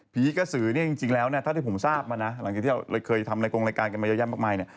ผีกระสือเนี่ยจริงแล้วเนี่ยเท่าที่ผมทราบมานะหลังจากที่เราเคยทำในกรงรายการกันมาเยอะแยะมากมายเนี่ย